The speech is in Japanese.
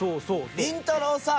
「りんたろー。さん！」